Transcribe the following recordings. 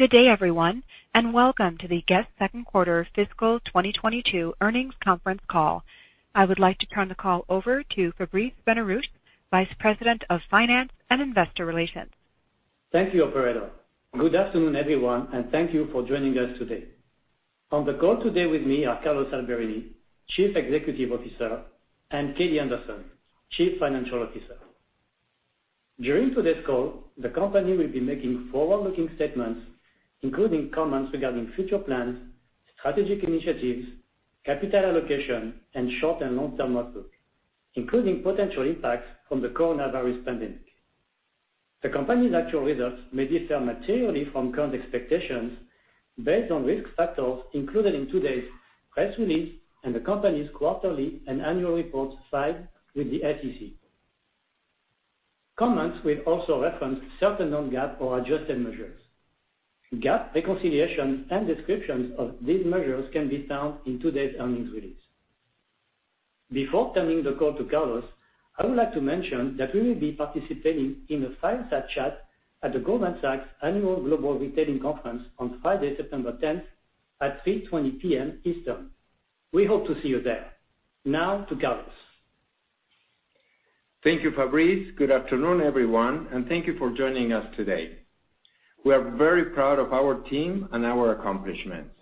Good day, everyone, and welcome to the Guess? second quarter fiscal 2022 earnings conference call. I would like to turn the call over to Fabrice Benarouche, Vice President of Finance and Investor Relations. Thank you, Operator. Good afternoon, everyone, and thank you for joining us today. On the call today with me are Carlos Alberini, Chief Executive Officer, and Katie Anderson, Chief Financial Officer. During today's call, the company will be making forward-looking statements, including comments regarding future plans, strategic initiatives, capital allocation, and short and long-term outlook, including potential impacts from the coronavirus pandemic. The company's actual results may differ materially from current expectations based on risk factors included in today's press release and the company's quarterly and annual reports filed with the SEC. Comments will also reference certain non-GAAP or adjusted measures. GAAP reconciliations and descriptions of these measures can be found in today's earnings release. Before turning the call to Carlos, I would like to mention that we will be participating in a fireside chat at the Goldman Sachs Annual Global Retailing Conference on Friday, September 10th at 3:20 P.M. Eastern. We hope to see you there. Now to Carlos. Thank you, Fabrice. Good afternoon, everyone, and thank you for joining us today. We are very proud of our team and our accomplishments.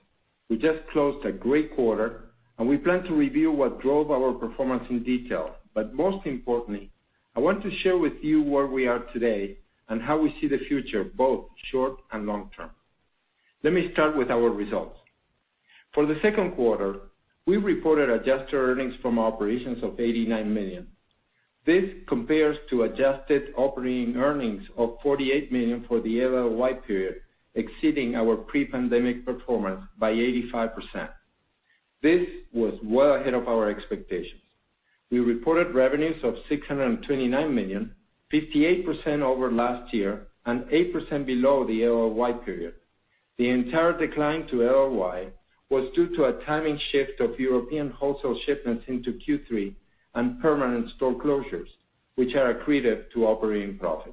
We just closed a great quarter, and we plan to review what drove our performance in detail. Most importantly, I want to share with you where we are today and how we see the future, both short and long term. Let me start with our results. For the second quarter, we reported adjusted earnings from operations of $89 million. This compares to adjusted operating earnings of $48 million for the LLY period, exceeding our pre-pandemic performance by 85%. This was well ahead of our expectations. We reported revenues of $629 million, 58% over last year and 8% below the LLY period. The entire decline to LLY was due to a timing shift of European wholesale shipments into Q3 and permanent store closures, which are accretive to operating profit.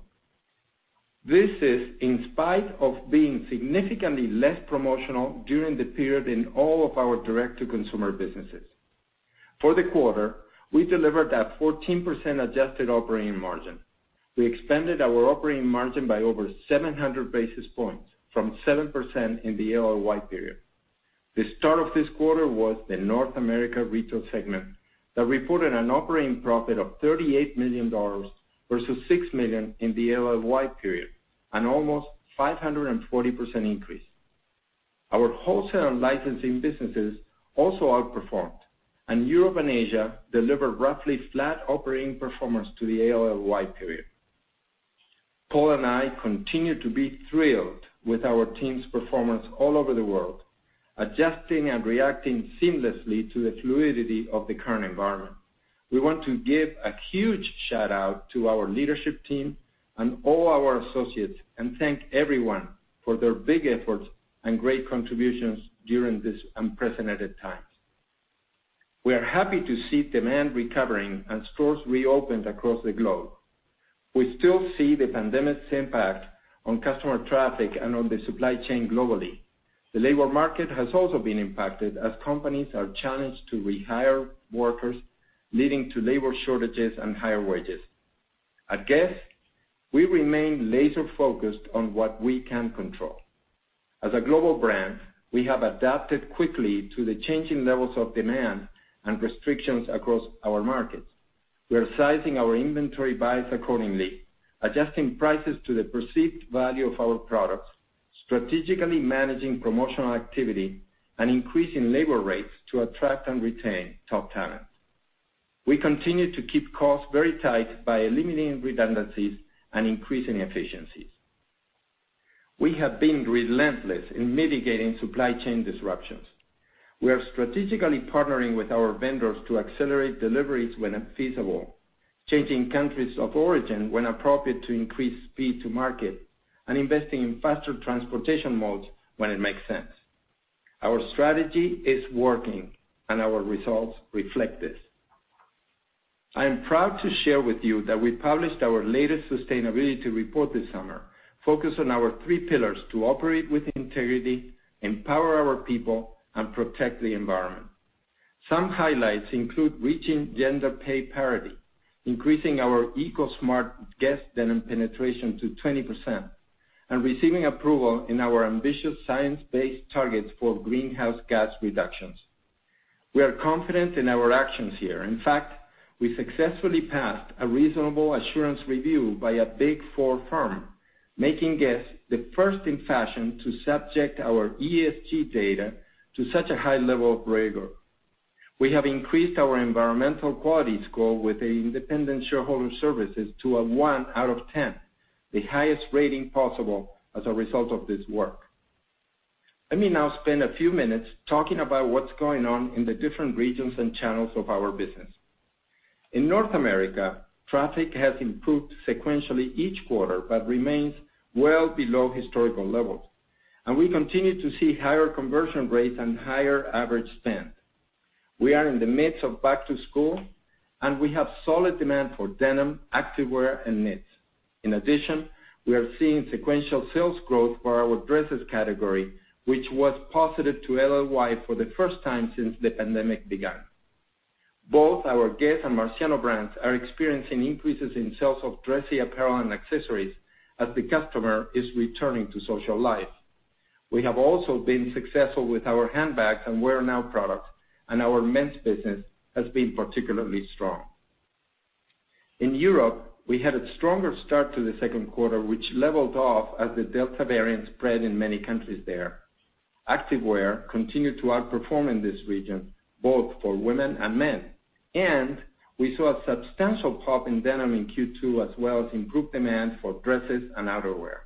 This is in spite of being significantly less promotional during the period in all of our direct-to-consumer businesses. For the quarter, we delivered a 14% adjusted operating margin. We expanded our operating margin by over 700 basis points from 7% in the LLY period. The star of this quarter was the North America retail segment that reported an operating profit of $38 million versus $6 million in the LLY period, an almost 540% increase. Our wholesale and licensing businesses also outperformed, and Europe and Asia delivered roughly flat operating performance to the LLY period. Paul and I continue to be thrilled with our team's performance all over the world, adjusting and reacting seamlessly to the fluidity of the current environment. We want to give a huge shout-out to our leadership team and all our associates and thank everyone for their big efforts and great contributions during this unprecedented time. We are happy to see demand recovering and stores reopened across the globe. We still see the pandemic's impact on customer traffic and on the supply chain globally. The labor market has also been impacted as companies are challenged to rehire workers, leading to labor shortages and higher wages. At Guess?, we remain laser-focused on what we can control. As a global brand, we have adapted quickly to the changing levels of demand and restrictions across our markets. We are sizing our inventory buys accordingly, adjusting prices to the perceived value of our products, strategically managing promotional activity, and increasing labor rates to attract and retain top talent. We continue to keep costs very tight by eliminating redundancies and increasing efficiencies. We have been relentless in mitigating supply chain disruptions. We are strategically partnering with our vendors to accelerate deliveries when feasible, changing countries of origin when appropriate to increase speed to market, and investing in faster transportation modes when it makes sense. Our strategy is working, and our results reflect this. I am proud to share with you that we published our latest sustainability report this summer, focused on our three pillars to operate with integrity, empower our people, and protect the environment. Some highlights include reaching gender pay parity, increasing our Eco SMART GUESS denim penetration to 20%, and receiving approval in our ambitious science-based targets for greenhouse gas reductions. We are confident in our actions here. In fact, we successfully passed a reasonable assurance review by a Big Four firm, making Guess? the first in fashion to subject our ESG data to such a high level of rigor. We have increased our environmental quality score with Institutional Shareholder Services to a one out of 10, the highest rating possible as a result of this work. Let me now spend a few minutes talking about what's going on in the different regions and channels of our business. In North America, traffic has improved sequentially each quarter, but remains well below historical levels. We continue to see higher conversion rates and higher average spend. We are in the midst of back to school, and we have solid demand for denim, active wear, and knits. In addition, we are seeing sequential sales growth for our dresses category, which was positive to LLY for the first time since the pandemic began. Both our Guess? and Marciano brands are experiencing increases in sales of dressy apparel and accessories as the customer is returning to social life. We have also been successful with our handbags and wear-now products, and our men's business has been particularly strong. In Europe, we had a stronger start to the second quarter, which leveled off as the Delta variant spread in many countries there. Active wear continued to outperform in this region, both for women and men. We saw a substantial pop in denim in Q2, as well as improved demand for dresses and outerwear.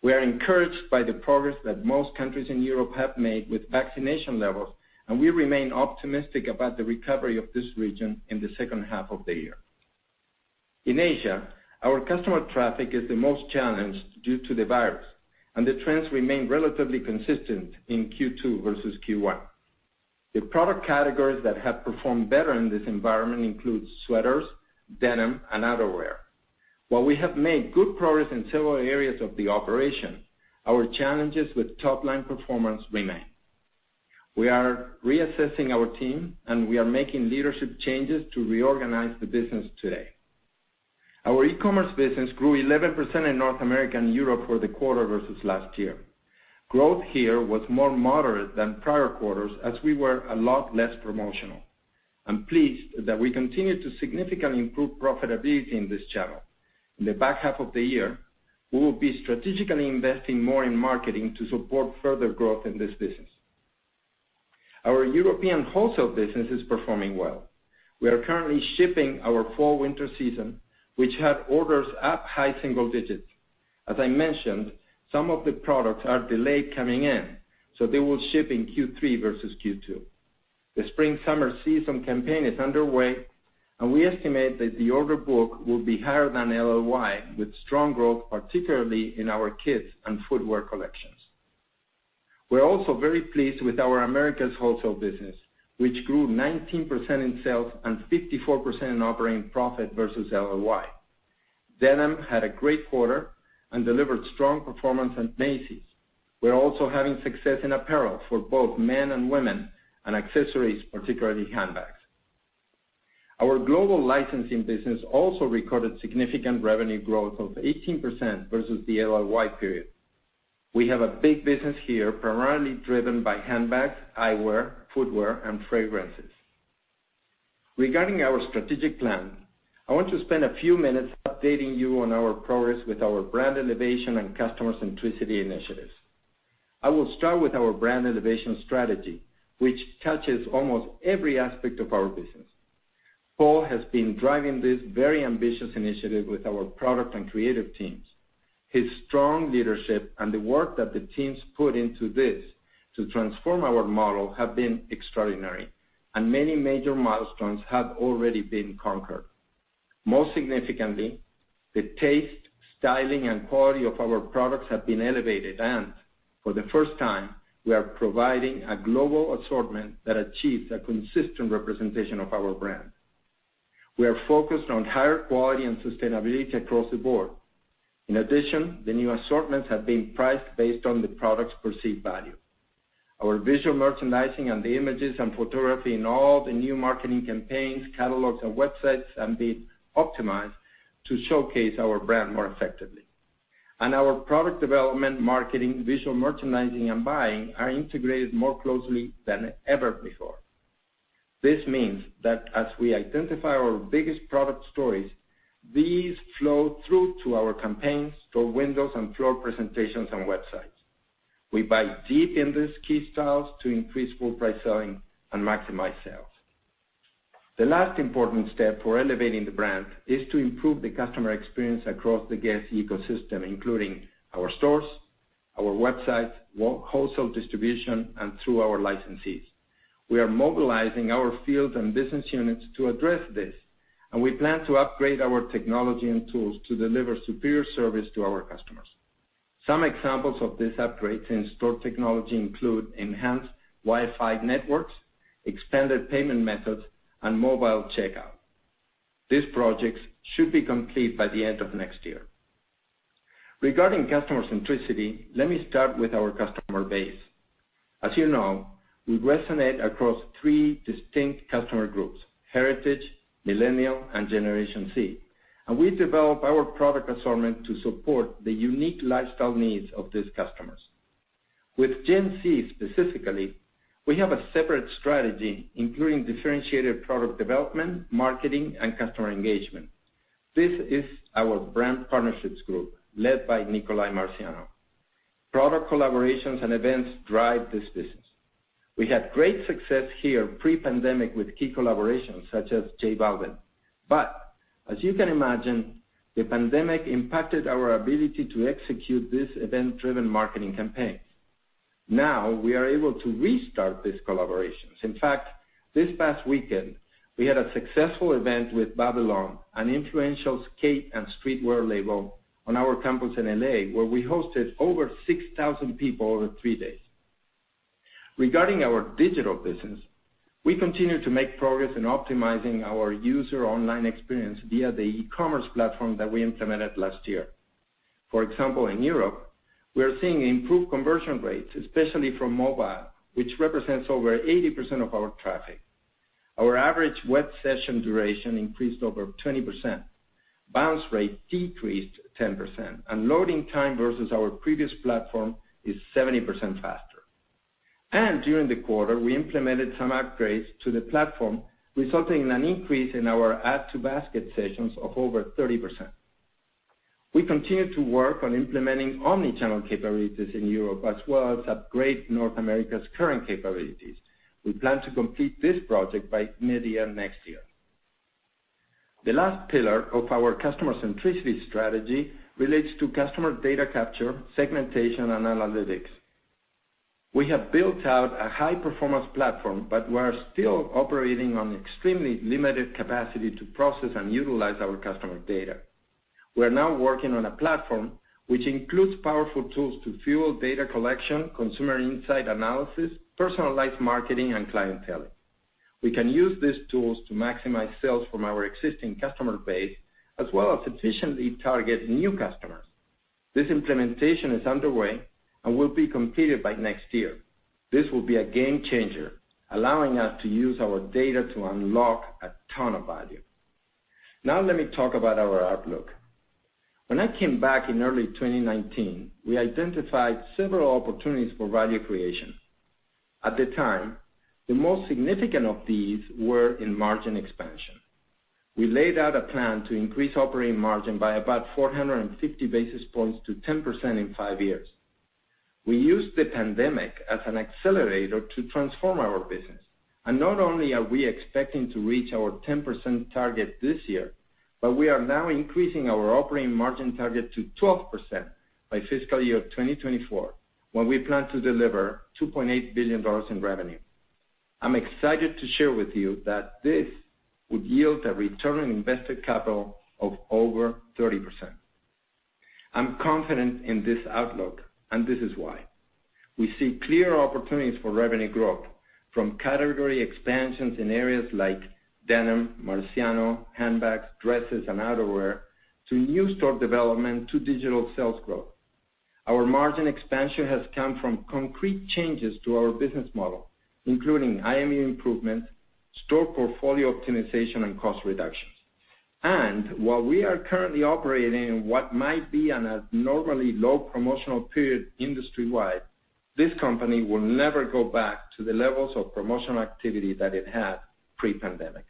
We are encouraged by the progress that most countries in Europe have made with vaccination levels, and we remain optimistic about the recovery of this region in the second half of the year. In Asia, our customer traffic is the most challenged due to the virus, and the trends remain relatively consistent in Q2 versus Q1. The product categories that have performed better in this environment include sweaters, denim, and outerwear. While we have made good progress in several areas of the operation, our challenges with top line performance remain. We are reassessing our team, and we are making leadership changes to reorganize the business today. Our e-commerce business grew 11% in North America and Europe for the quarter versus last year. Growth here was more moderate than prior quarters, as we were a lot less promotional. I'm pleased that we continue to significantly improve profitability in this channel. In the back half of the year, we will be strategically investing more in marketing to support further growth in this business. Our European wholesale business is performing well. We are currently shipping our fall/winter season, which had orders up high single digits. As I mentioned, some of the products are delayed coming in, so they will ship in Q3 versus Q2. The spring/summer season campaign is underway, we estimate that the order book will be higher than LLY, with strong growth particularly in our kids and footwear collections. We're also very pleased with our Americas wholesale business, which grew 19% in sales and 54% in operating profit versus LLY. Denim had a great quarter and delivered strong performance at Macy's. We're also having success in apparel for both men and women, and accessories, particularly handbags. Our global licensing business also recorded significant revenue growth of 18% versus the LLY period. We have a big business here, primarily driven by handbags, eyewear, footwear, and fragrances. Regarding our strategic plan, I want to spend a few minutes updating you on our progress with our Brand Elevation and Customer Centricity initiatives. I will start with our Brand Elevation strategy, which touches almost every aspect of our business. Paul has been driving this very ambitious initiative with our product and creative teams. His strong leadership and the work that the teams put into this to transform our model have been extraordinary, and many major milestones have already been conquered. Most significantly, the taste, styling, and quality of our products have been elevated, and for the first time, we are providing a global assortment that achieves a consistent representation of our brand. We are focused on higher quality and sustainability across the board. In addition, the new assortments have been priced based on the product's perceived value. Our visual merchandising and the images and photography in all the new marketing campaigns, catalogs, and websites are being optimized to showcase our brand more effectively. Our product development, marketing, visual merchandising and buying are integrated more closely than ever before. This means that as we identify our biggest product stories, these flow through to our campaigns, store windows, and floor presentations and websites. We buy deep in these key styles to increase full price selling and maximize sales. The last important step for elevating the brand is to improve the customer experience across the Guess? ecosystem, including our stores, our websites, wholesale distribution, and through our licensees. We are mobilizing our field and business units to address this, and we plan to upgrade our technology and tools to deliver superior service to our customers. Some examples of this upgrade in store technology include enhanced Wi-Fi networks, expanded payment methods, and mobile checkout. These projects should be complete by the end of next year. Regarding customer centricity, let me start with our customer base. As you know, we resonate across three distinct customer groups: Heritage, Millennial, and Generation Z. We develop our product assortment to support the unique lifestyle needs of these customers. With Gen Z specifically, we have a separate strategy, including differentiated product development, marketing, and customer engagement. This is our brand partnerships group, led by Nicolai Marciano. Product collaborations and events drive this business. We had great success here pre-pandemic with key collaborations such as J Balvin. As you can imagine, the pandemic impacted our ability to execute these event-driven marketing campaigns. Now we are able to restart these collaborations. In fact, this past weekend, we had a successful event with Babylon, an influential skate and streetwear label, on our campus in L.A., where we hosted over 6,000 people over three days. Regarding our digital business, we continue to make progress in optimizing our user online experience via the e-commerce platform that we implemented last year. For example, in Europe, we are seeing improved conversion rates, especially from mobile, which represents over 80% of our traffic. Our average web session duration increased over 20%. Bounce rate decreased 10%, loading time versus our previous platform is 70% faster. During the quarter, we implemented some upgrades to the platform, resulting in an increase in our add to basket sessions of over 30%. We continue to work on implementing omni-channel capabilities in Europe, as well as upgrade North America's current capabilities. We plan to complete this project by mid-year next year. The last pillar of our customer centricity strategy relates to customer data capture, segmentation, and analytics. We have built out a high-performance platform, we are still operating on extremely limited capacity to process and utilize our customer data. We are now working on a platform which includes powerful tools to fuel data collection, consumer insight analysis, personalized marketing, and clienteling. We can use these tools to maximize sales from our existing customer base, as well as efficiently target new customers. This implementation is underway and will be completed by next year. This will be a game changer, allowing us to use our data to unlock a ton of value. Now let me talk about our outlook. When I came back in early 2019, we identified several opportunities for value creation. At the time, the most significant of these were in margin expansion. We laid out a plan to increase operating margin by about 450 basis points to 10% in five years. We used the pandemic as an accelerator to transform our business. Not only are we expecting to reach our 10% target this year, but we are now increasing our operating margin target to 12% by FY 2024, when we plan to deliver $2.8 billion in revenue. I'm excited to share with you that this would yield a return on invested capital of over 30%. I'm confident in this outlook. This is why. We see clear opportunities for revenue growth from category expansions in areas like denim, Marciano, handbags, dresses, and outerwear to new store development to digital sales growth. Our margin expansion has come from concrete changes to our business model, including IMU improvements, store portfolio optimization, and cost reductions. While we are currently operating in what might be an abnormally low promotional period industry-wide, this company will never go back to the levels of promotional activity that it had pre-pandemic.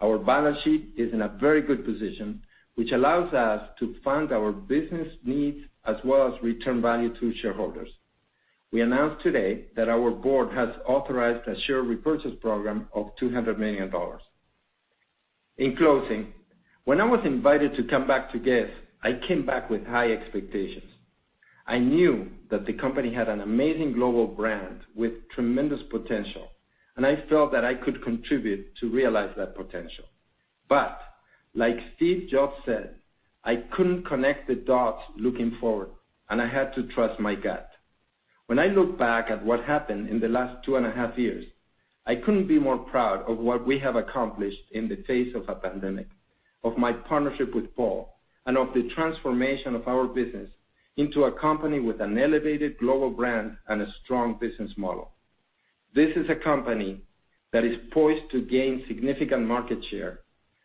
Our balance sheet is in a very good position, which allows us to fund our business needs as well as return value to shareholders. We announced today that our board has authorized a share repurchase program of $200 million. In closing, when I was invited to come back to Guess?, I came back with high expectations. I knew that the company had an amazing global brand with tremendous potential, and I felt that I could contribute to realize that potential. Like Steve Jobs said, "I couldn't connect the dots looking forward, and I had to trust my gut." When I look back at what happened in the last two and a half years, I couldn't be more proud of what we have accomplished in the face of a pandemic, of my partnership with Paul, and of the transformation of our business into a company with an elevated global brand and a strong business model. This is a company that is poised to gain significant market share,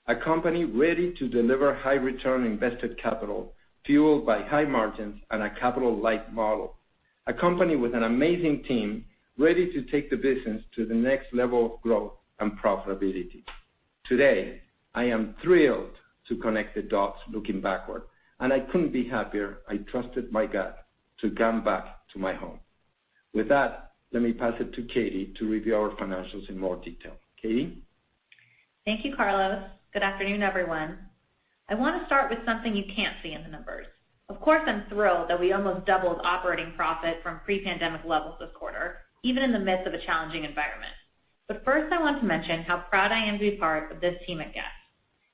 a company ready to deliver high return on invested capital, fueled by high margins and a capital-light model, a company with an amazing team ready to take the business to the next level of growth and profitability. Today, I am thrilled to connect the dots looking backward, and I couldn't be happier I trusted my gut to come back to my home. With that, let me pass it to Katie to review our financials in more detail. Katie? Thank you, Carlos. Good afternoon, everyone. I want to start with something you can't see in the numbers. Of course, I'm thrilled that we almost doubled operating profit from pre-pandemic levels this quarter, even in the midst of a challenging environment. First, I want to mention how proud I am to be part of this team at Guess?.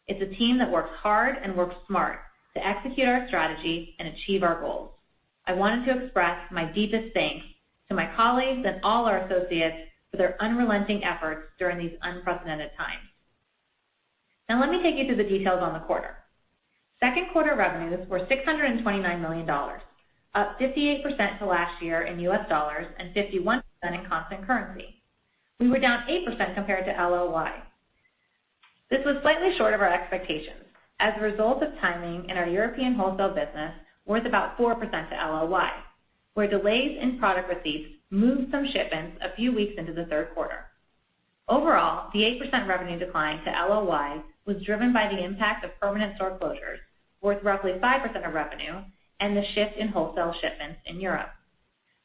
It's a team that works hard and works smart to execute our strategy and achieve our goals. I wanted to express my deepest thanks to my colleagues and all our associates for their unrelenting efforts during these unprecedented times. Let me take you through the details on the quarter. Second quarter revenues were $629 million, up 58% to last year in U.S. dollars and 51% in constant currency. We were down 8% compared to LLY. This was slightly short of our expectations as a result of timing in our European wholesale business worth about 4% to LLY, where delays in product receipts moved some shipments a few weeks into the third quarter. Overall, the 8% revenue decline to LLY was driven by the impact of permanent store closures worth roughly 5% of revenue and the shift in wholesale shipments in Europe.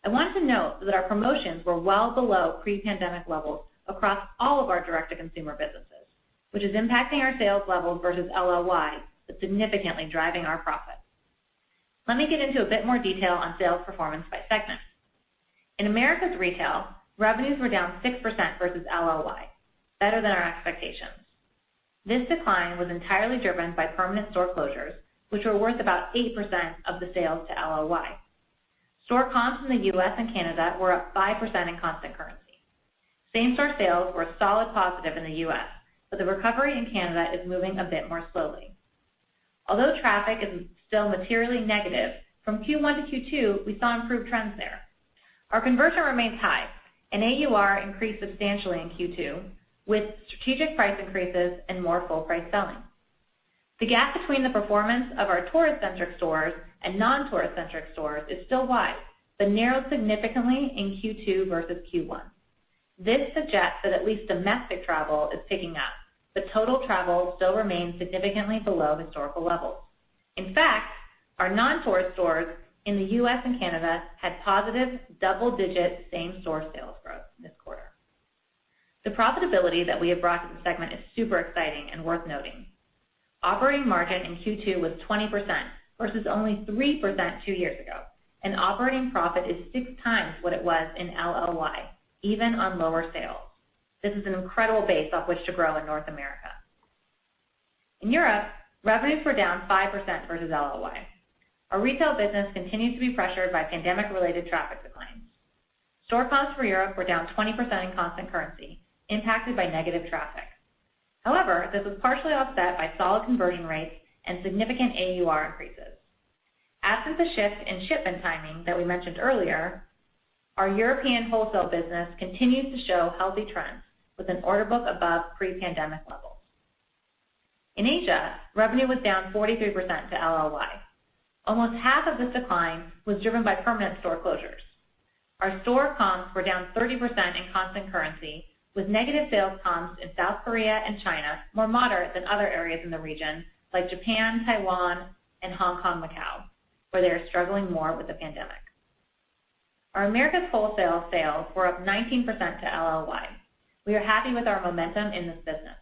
I want to note that our promotions were well below pre-pandemic levels across all of our direct-to-consumer businesses, which is impacting our sales levels versus LLY, but significantly driving our profits. Let me get into a bit more detail on sales performance by segment. In Americas Retail, revenues were down 6% versus LLY, better than our expectations. This decline was entirely driven by permanent store closures, which were worth about 8% of the sales to LLY. Store comps in the U.S. and Canada were up 5% in constant currency. Same-store sales were a solid positive in the U.S., but the recovery in Canada is moving a bit more slowly. Although traffic is still materially negative, from Q1 to Q2, we saw improved trends there. Our conversion remains high, and AUR increased substantially in Q2, with strategic price increases and more full-price selling. The gap between the performance of our tourist-centric stores and non-tourist-centric stores is still wide, but narrowed significantly in Q2 versus Q1. This suggests that at least domestic travel is picking up, but total travel still remains significantly below historical levels. In fact, our non-tourist stores in the U.S. and Canada had positive double-digit same-store sales growth this quarter. The profitability that we have brought to the segment is super exciting and worth noting. Operating margin in Q2 was 20% versus only 3% two years ago. Operating profit is 6x what it was in LLY, even on lower sales. This is an incredible base off which to grow in North America. In Europe, revenues were down 5% versus LLY. Our retail business continues to be pressured by pandemic-related traffic declines. Store comps for Europe were down 20% in constant currency, impacted by negative traffic. However, this was partially offset by solid converting rates and significant AUR increases. Absent the shift in shipment timing that we mentioned earlier, our European wholesale business continues to show healthy trends with an order book above pre-pandemic levels. In Asia, revenue was down 43% to LLY. Almost half of this decline was driven by permanent store closures. Our store comps were down 30% in constant currency, with negative sales comps in South Korea and China more moderate than other areas in the region, like Japan, Taiwan, and Hong Kong, Macau, where they are struggling more with the pandemic. Our Americas wholesale sales were up 19% to LLY. We are happy with our momentum in this business.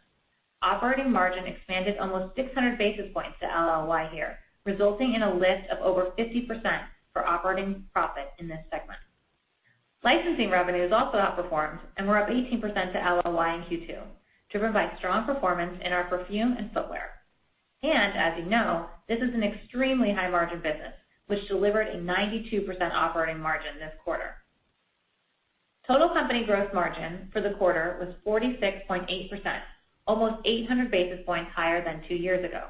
Operating margin expanded almost 600 basis points to LLY here, resulting in a lift of over 50% for operating profit in this segment. Licensing revenues also outperformed, and were up 18% to LLY in Q2, driven by strong performance in our perfume and footwear. As you know, this is an extremely high-margin business, which delivered a 92% operating margin this quarter. Total company gross margin for the quarter was 46.8%, almost 800 basis points higher than two years ago.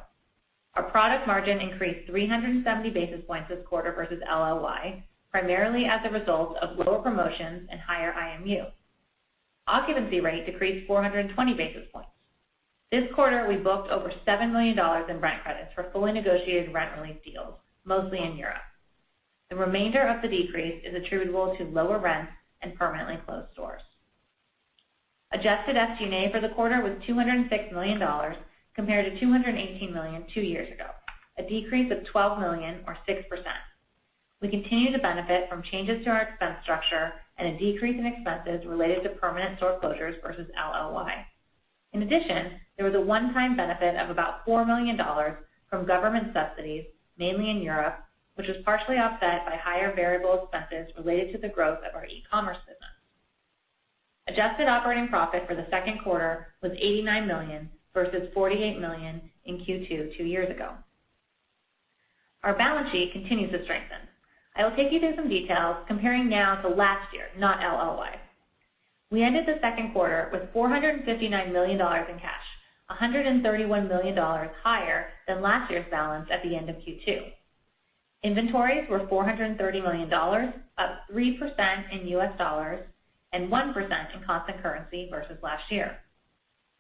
Our product margin increased 370 basis points this quarter versus LLY, primarily as a result of lower promotions and higher IMU. Occupancy rate decreased 420 basis points. This quarter, we booked over $7 million in rent credits for fully negotiated rent relief deals, mostly in Europe. The remainder of the decrease is attributable to lower rents and permanently closed stores. Adjusted SG&A for the quarter was $206 million compared to $218 million two years ago, a decrease of $12 million or 6%. We continue to benefit from changes to our expense structure and a decrease in expenses related to permanent store closures versus LLY. In addition, there was a one-time benefit of about $4 million from government subsidies, mainly in Europe, which was partially offset by higher variable expenses related to the growth of our e-commerce business. Adjusted operating profit for the second quarter was $89 million versus $48 million in Q2 two years ago. Our balance sheet continues to strengthen. I will take you through some details comparing now to last year, not LLY. We ended the second quarter with $459 million in cash, $131 million higher than last year's balance at the end of Q2. Inventories were $430 million, up 3% in U.S. dollars and 1% in constant currency versus last year.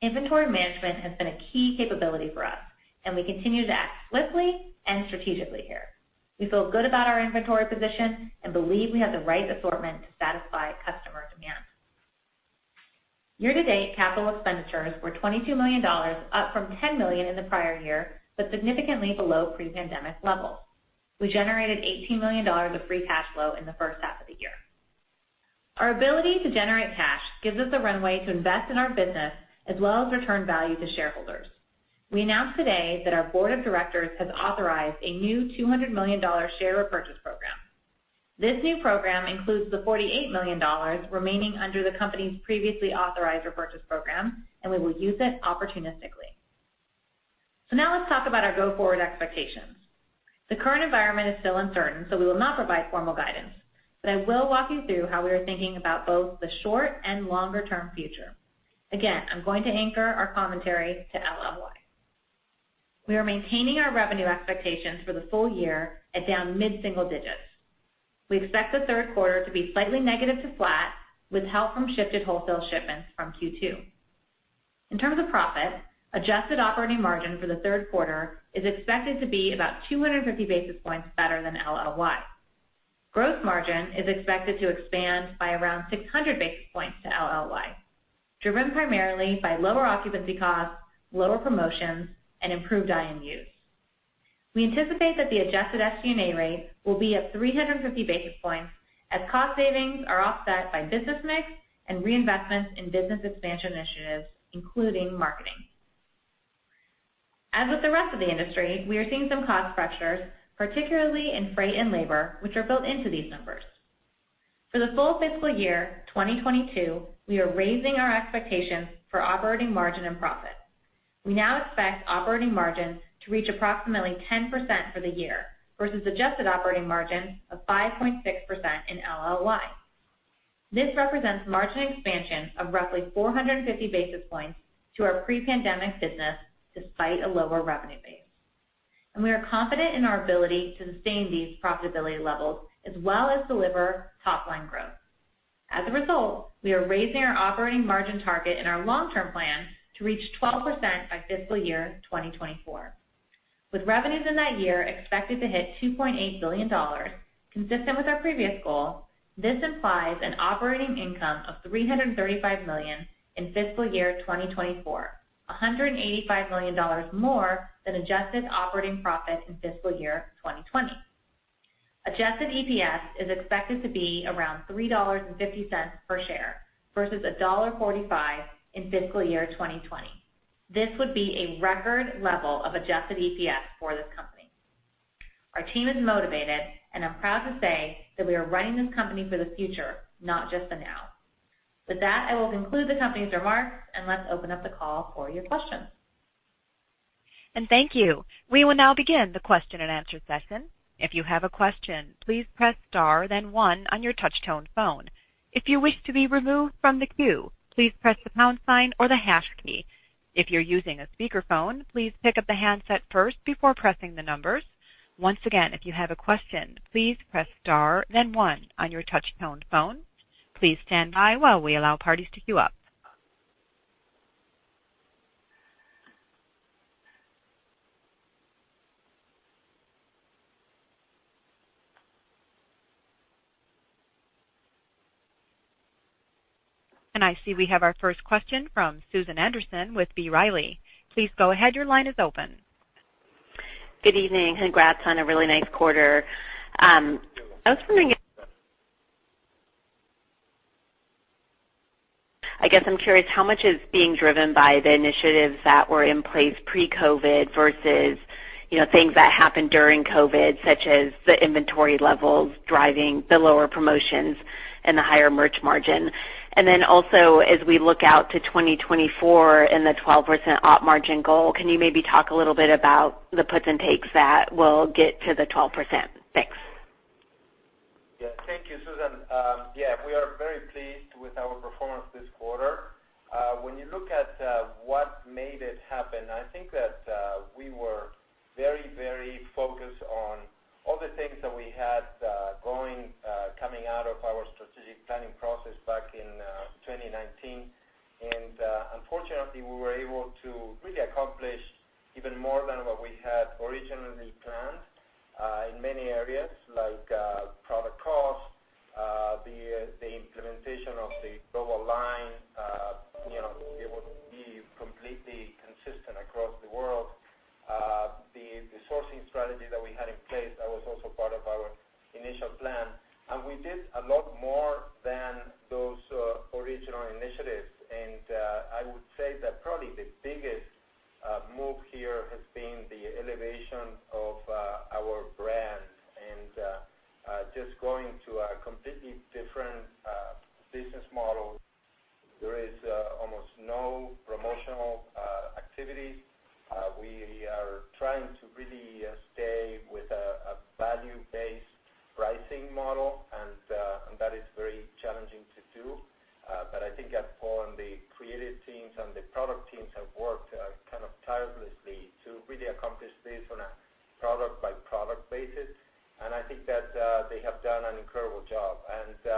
Inventory management has been a key capability for us, and we continue to act swiftly and strategically here. We feel good about our inventory position and believe we have the right assortment to satisfy customer demand. Year-to-date capital expenditures were $22 million, up from $10 million in the prior year, but significantly below pre-pandemic levels. We generated $18 million of free cash flow in the first half of the year. Our ability to generate cash gives us a runway to invest in our business as well as return value to shareholders. We announced today that our board of directors has authorized a new $200 million share repurchase program. This new program includes the $48 million remaining under the company's previously authorized repurchase program, and we will use it opportunistically. Now let's talk about our go-forward expectations. The current environment is still uncertain, so we will not provide formal guidance, but I will walk you through how we are thinking about both the short and longer-term future. I'm going to anchor our commentary to LLY. We are maintaining our revenue expectations for the full year at down mid-single digits. We expect the third quarter to be slightly negative to flat with help from shifted wholesale shipments from Q2. In terms of profit, adjusted operating margin for the third quarter is expected to be about 250 basis points better than LLY. Gross margin is expected to expand by around 600 basis points to LLY, driven primarily by lower occupancy costs, lower promotions, and improved IMUs. We anticipate that the adjusted SG&A rate will be up 350 basis points as cost savings are offset by business mix and reinvestments in business expansion initiatives, including marketing. As with the rest of the industry, we are seeing some cost pressures, particularly in freight and labor, which are built into these numbers. For the full fiscal year 2022, we are raising our expectations for operating margin and profit. We now expect operating margins to reach approximately 10% for the year versus adjusted operating margins of 5.6% in LLY. This represents margin expansion of roughly 450 basis points to our pre-pandemic business despite a lower revenue base. We are confident in our ability to sustain these profitability levels as well as deliver top line growth. As a result, we are raising our operating margin target in our long-term plan to reach 12% by fiscal year 2024. With revenues in that year expected to hit $2.8 billion, consistent with our previous goal, this implies an operating income of $335 million in fiscal year 2024, $185 million more than adjusted operating profit in fiscal year 2020. Adjusted EPS is expected to be around $3.50 per share versus $1.45 in fiscal year 2020. This would be a record level of adjusted EPS for this company. Our team is motivated. I'm proud to say that we are running this company for the future, not just the now. With that, I will conclude the company's remarks. Let's open up the call for your questions. Thank you. We will now begin the question and answer session. If you have a question, please press star, then one on your touchtone phone. If you wish to be removed from the queue, please press the pound sign or the hash key. If you're using a speakerphone, please pick up the handset first before pressing the numbers. Once again, if you have a question, please press star, then one on your touchtone phone. Please stand by while we allow parties to queue up. I see we have our first question from Susan Anderson with B. Riley. Please go ahead. Your line is open. Good evening. Congrats on a really nice quarter. I was wondering I guess I'm curious how much is being driven by the initiatives that were in place pre-COVID versus, you know, things that happened during COVID, such as the inventory levels driving the lower promotions and the higher merch margin. As we look out to 2024 and the 12% op margin goal, can you maybe talk a little bit about the puts and takes that will get to the 12%? Thanks. Thank you, Susan. We are very pleased with our performance this quarter. When you look at what made it happen, I think that we were very, very focused on all the things that we had going coming out of our strategic planning process back in 2019. Unfortunately, we were able to really accomplish even more than what we had originally planned in many areas like product cost, the implementation of the global line. You know, it would be completely consistent across the world. The sourcing strategy that we had in place, that was also part of our initial plan. We did a lot more than those original initiatives. I would say that probably the biggest move here has been the elevation of our brand and just going to a completely different business model. There is almost no promotional activity. We are trying to really stay with a value-based pricing model, and that is very challenging to do. But I think Paul and the creative teams and the product teams have worked kind of tirelessly to really accomplish this on a product by product basis. I think that they have done an incredible job. This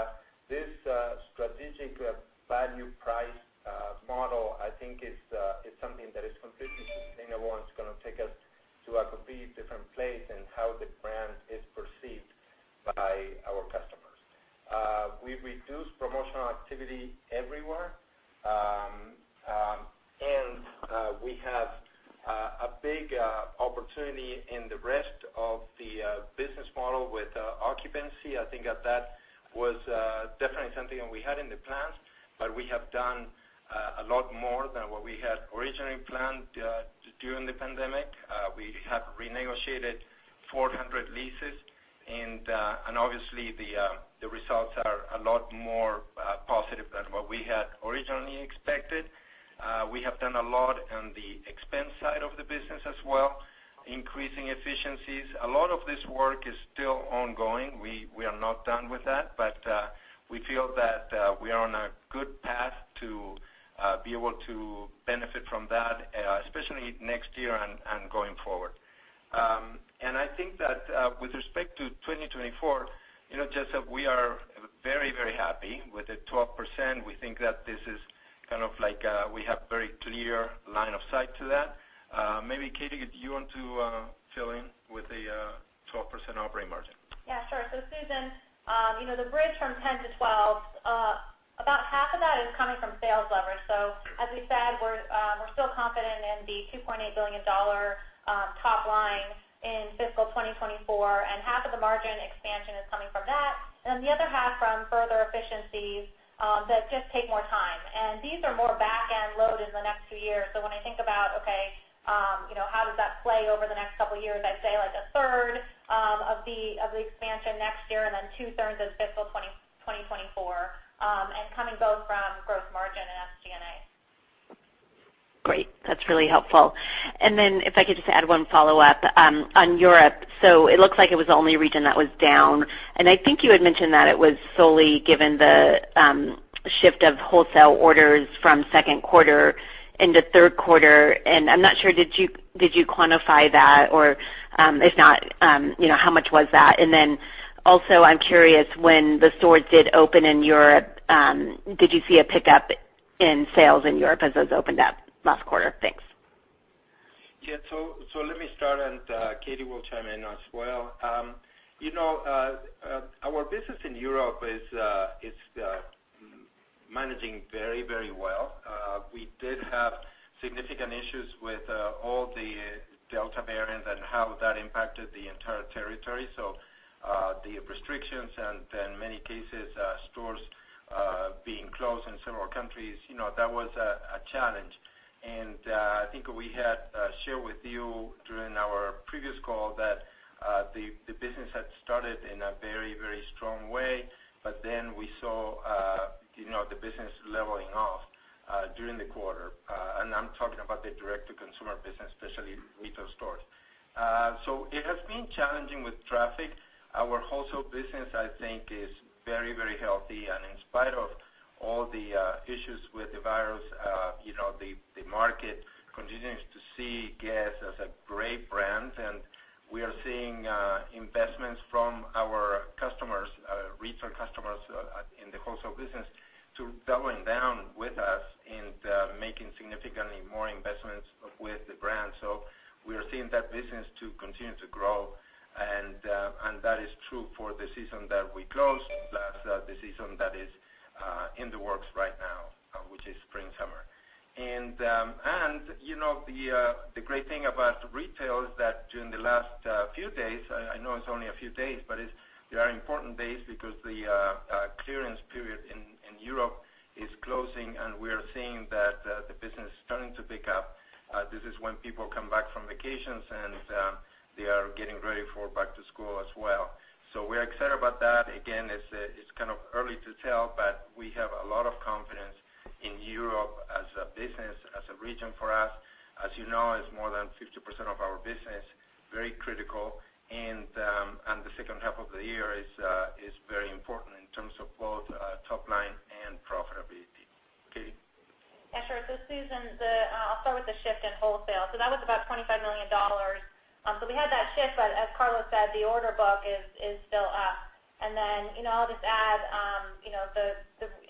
strategic value price model, I think is something that is completely singular one. It's gonna take us to a complete different place in how the brand is perceived by our customers. We reduce promotional activity everywhere. We have a big opportunity in the rest of the business model with occupancy. I think that that was definitely something that we had in the plans, but we have done a lot more than what we had originally planned during the pandemic. We have renegotiated 400 leases, and obviously the results are a lot more positive than what we had originally expected. We have done a lot on the expense side of the business as well, increasing efficiencies. A lot of this work is still ongoing. We are not done with that, but we feel that we are on a good path to be able to benefit from that, especially next year and going forward. I think that, with respect to 2024, you know, Susan, we are very, very happy with the 12%. We think that this is kind of like, we have very clear line of sight to that. Maybe, Katie, do you want to fill in with the 12% operating margin? Yeah, sure. Susan, you know, the bridge from 10%-12%, about half of that is coming from sales leverage. As we said, we're still confident in the $2.8 billion top line in fiscal 2024, half of the margin expansion is coming from that. The other half from further efficiencies that just take more time. These are more back-end loaded in the next two years. When I think about, okay, you know, how does that play over the next couple of years, I'd say like a third of the expansion next year, then two-thirds is fiscal 2024, coming both from growth margin and SG&A. Great. That's really helpful. Then if I could just add one follow-up on Europe. It looks like it was the only region that was down, and I think you had mentioned that it was solely given the shift of wholesale orders from second quarter into third quarter. I'm not sure, did you quantify that? Or if not, you know, how much was that? Then also, I'm curious, when the stores did open in Europe, did you see a pickup in sales in Europe as those opened up last quarter? Thanks. Yeah. Let me start, Katie will chime in as well. You know, our business in Europe is managing very, very well. We did have significant issues with all the Delta variant and how that impacted the entire territory. The restrictions and in many cases, stores being closed in several countries, you know, that was a challenge. I think we had shared with you during our previous call that the business had started in a very, very strong way. We saw, you know, the business leveling off during the quarter. I'm talking about the direct-to-consumer business, especially retail stores. It has been challenging with traffic. Our wholesale business, I think, is very, very healthy. In spite of all the issues with the virus, you know, the market continues to see Guess? as a great brand. We are seeing investments from our customers, retail customers, in the wholesale business to doubling down with us and making significantly more investments with the brand. We are seeing that business to continue to grow, and that is true for the season that we closed, plus the season that is in the works right now, which is spring/summer. You know, the great thing about retail is that during the last few days, I know it's only a few days, but they are important days because the clearance period in Europe is closing, and we are seeing that the business is starting to pick up. This is when people come back from vacations, and they are getting ready for back to school as well. We are excited about that. Again, it's kind of early to tell, but we have a lot of confidence in Europe as a business, as a region for us. As you know, it's more than 50% of our business, very critical, and the second half of the year is very important in terms of both top line and profitability. Katie? Yeah, sure. Susan, I'll start with the shift in wholesale. That was about $25 million. We had that shift, but as Carlos said, the order book is still up. I'll just add, you know,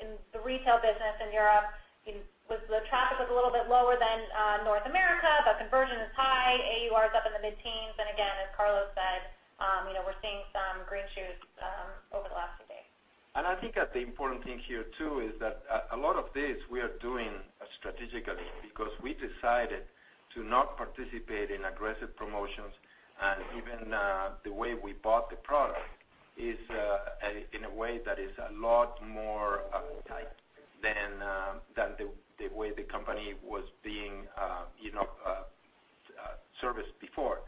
in the retail business in Europe, the traffic was a little bit lower than North America, but conversion is high. AUR is up in the mid-teens. Again, as Carlos said, you know, we're seeing some green shoots over the last few days. I think that the important thing here too is that a lot of this we are doing strategically because we decided to not participate in aggressive promotions. Even the way we bought the product is in a way that is a lot more tight than the way the company was being, you know, serviced before.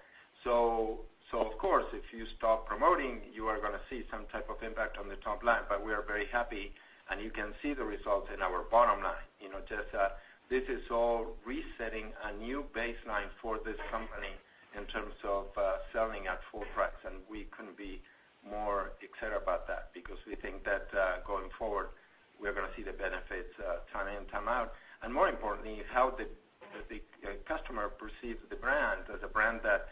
Of course, if you stop promoting, you are gonna see some type of impact on the top line. We are very happy, and you can see the results in our bottom line. You know, just, this is all resetting a new baseline for this company in terms of selling at full price, and we couldn't be more excited about that because we think that, going forward, we are going to see the benefits, time in, time out. More importantly, how the customer perceives the brand as a brand that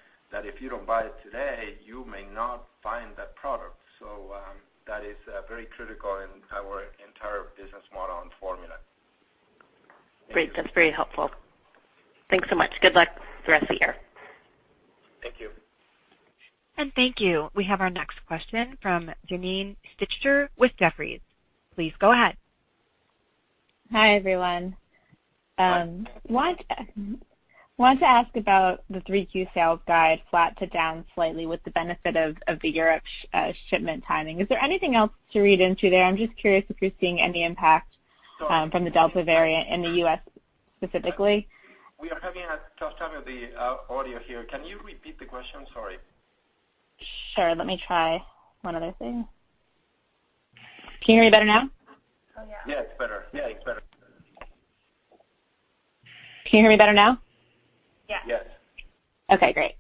if you don't buy it today, you may not find that product. That is very critical in our entire business model and formula. Great. That's very helpful. Thanks so much. Good luck the rest of the year. Thank you. Thank you. We have our next question from Janine Stichter with Jefferies. Please go ahead. Hi, everyone. Wanted to ask about the 3Q sales guide flat to down slightly with the benefit of the Europe shipment timing. Is there anything else to read into there? I'm just curious if you're seeing any impact from the Delta variant in the U.S. specifically. We are having a tough time with the audio here. Can you repeat the question? Sorry. Sure. Let me try one other thing. Can you hear me better now? Yeah, it's better. Yeah, it's better. Can you hear me better now? Yes. Yes. Great.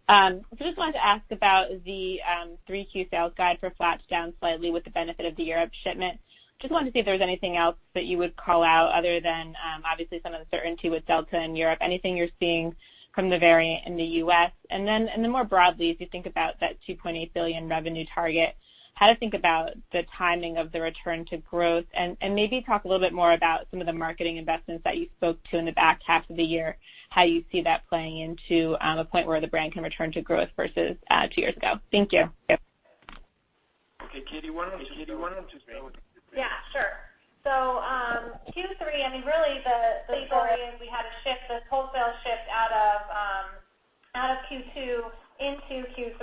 Just wanted to ask about the 3Q sales guide for flat to down slightly with the benefit of the Europe shipment. Just wanted to see if there was anything else that you would call out other than obviously some of the certainty with the Delta variant in Europe. Anything you're seeing from the variant in the U.S.? More broadly, as you think about that $2.8 billion revenue target, how to think about the timing of the return to growth. Maybe talk a little bit more about some of the marketing investments that you spoke to in the back half of the year, how you see that playing into a point where the brand can return to growth versus two years ago. Thank you. Okay. Katie, why don't you chime with the- Yeah, sure. Q3, really the story is we had a shift, this wholesale shift out of Q2 into Q3.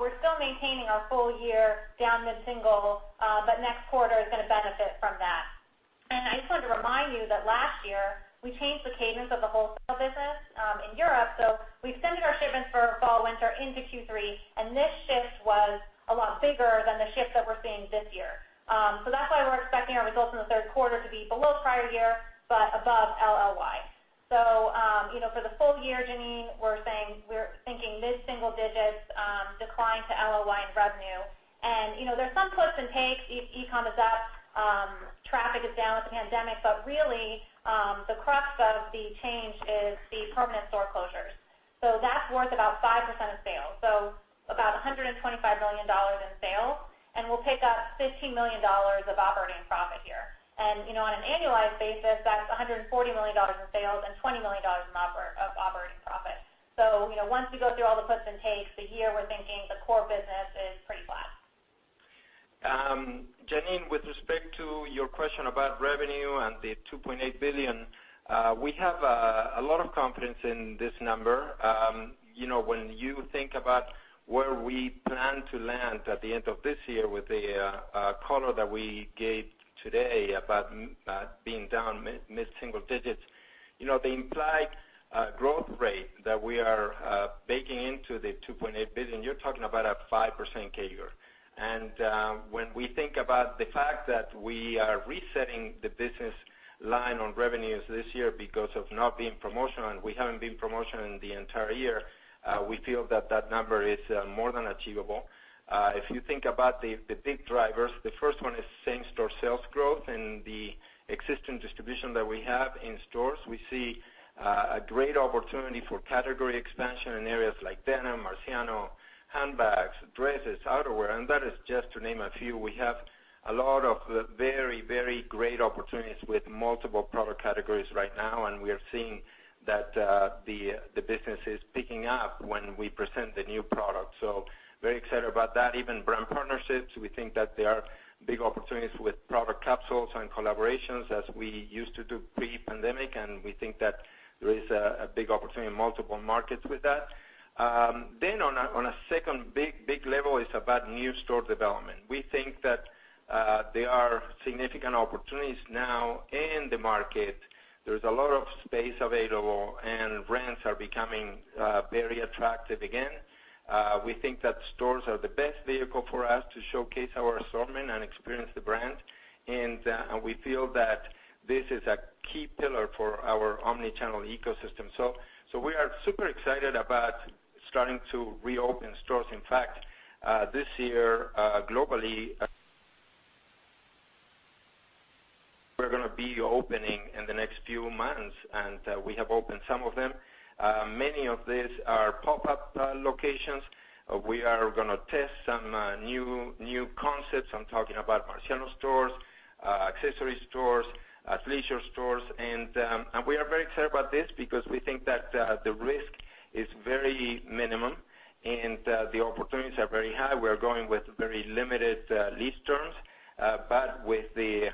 We're still maintaining our full year down mid-single, but next quarter is gonna benefit from that. I just wanted to remind you that last year, we changed the cadence of the wholesale business in Europe. We extended our shipments for fall/winter into Q3, this shift was a lot bigger than the shift that we're seeing this year. That's why we're expecting our results in the third quarter to be below prior year but above LLY. You know, for the full year, Janine, we're thinking mid-single digits decline to LLY in revenue. You know, there are some puts and takes. If e-commerce is up, traffic is down with the pandemic. Really, the crux of the change is the permanent store closures. That's worth about 5% of sales, so about $125 million in sales, and we'll pick up $15 million of operating profit here. You know, on an annualized basis, that's $140 million in sales and $20 million of operating profit. You know, once we go through all the puts and takes, the year we're thinking the core business is pretty flat. Janine, with respect to your question about revenue and the $2.8 billion, we have a lot of confidence in this number. You know, when you think about where we plan to land at the end of this year with the color that we gave today about being down mid-single digits, you know, the implied growth rate that we are baking into the $2.8 billion, you're talking about a 5% CAGR. When we think about the fact that we are resetting the business line on revenues this year because of not being promotional, and we haven't been promotional in the entire year, we feel that that number is more than achievable. If you think about the big drivers, the first one is same-store sales growth and the existing distribution that we have in stores. We see a great opportunity for category expansion in areas like denim, Marciano, handbags, dresses, outerwear. That is just to name a few. We have a lot of very great opportunities with multiple product categories right now. We are seeing that the business is picking up when we present the new product. Very excited about that. Even brand partnerships, we think that there are big opportunities with product capsules and collaborations as we used to do pre-pandemic. We think that there is a big opportunity in multiple markets with that. On a second big level is about new store development. We think that there are significant opportunities now in the market. There's a lot of space available, and rents are becoming very attractive again. We think that stores are the best vehicle for us to showcase our assortment and experience the brand. We feel that this is a key pillar for our omni-channel ecosystem. So we are super excited about starting to reopen stores. In fact, this year, globally We're gonna be opening in the next few months, and we have opened some of them. Many of these are pop-up locations. We are gonna test some new concepts. I'm talking about Marciano stores, accessory stores, athleisure stores. We are very excited about this because we think that the risk is very minimum, and the opportunities are very high. We are going with very limited lease terms, but with the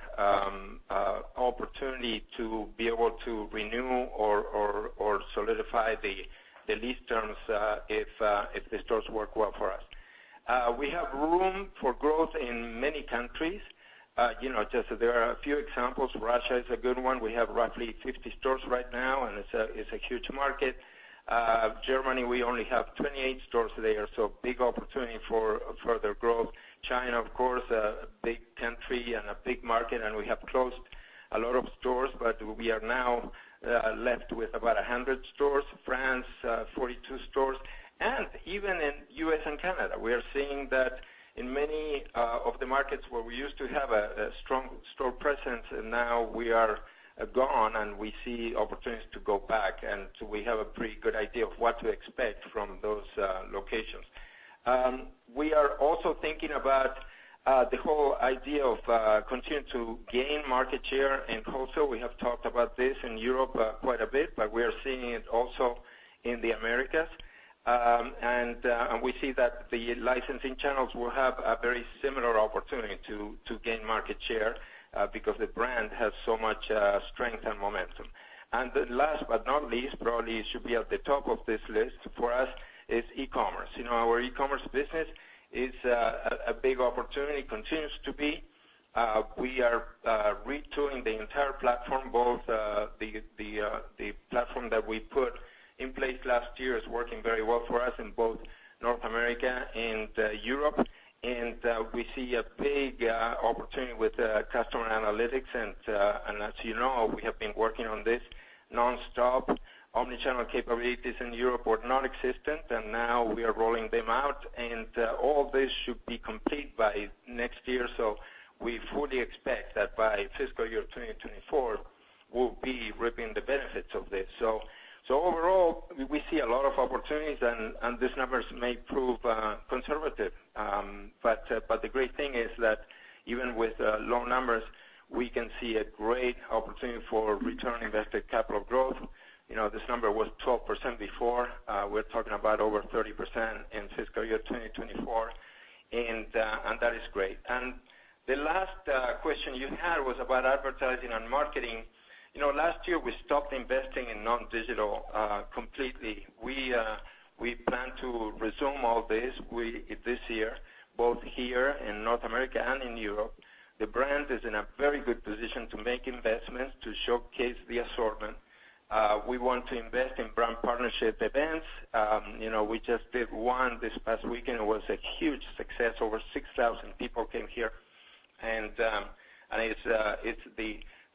opportunity to be able to renew or solidify the lease terms, if the stores work well for us. We have room for growth in many countries. You know, just there are a few examples. Russia is a good one. We have roughly 50 stores right now, and it's a huge market. Germany, we only have 28 stores there, so big opportunity for further growth. China, of course, a big country and a big market, and we have closed a lot of stores, but we are now left with about 100 stores. France, 42 stores. Even in U.S. and Canada, we are seeing that in many of the markets where we used to have a strong store presence, and now we are gone, and we see opportunities to go back. We have a pretty good idea of what to expect from those locations. We are also thinking about the whole idea of continuing to gain market share in wholesale. We have talked about this in Europe quite a bit, but we are seeing it also in the Americas. We see that the licensing channels will have a very similar opportunity to gain market share because the brand has so much strength and momentum. Last but not least, probably should be at the top of this list for us, is e-commerce. You know, our e-commerce business is a big opportunity, continues to be. We are retooling the entire platform, both the platform that we put in place last year is working very well for us in both North America and Europe. We see a big opportunity with customer analytics. As you know, we have been working on this nonstop. Omni-channel capabilities in Europe were nonexistent, and now we are rolling them out. All this should be complete by next year. We fully expect that by fiscal year 2024, we'll be reaping the benefits of this. Overall, we see a lot of opportunities and these numbers may prove conservative. The great thing is that even with low numbers, we can see a great opportunity for return on invested capital growth. You know, this number was 12% before. We're talking about over 30% in fiscal year 2024, and that is great. The last question you had was about advertising and marketing. You know, last year, we stopped investing in non-digital completely. We plan to resume all this this year, both here in North America and in Europe. The brand is in a very good position to make investments to showcase the assortment. We want to invest in brand partnership events. You know, we just did one this past weekend. It was a huge success. Over 6,000 people came here. It's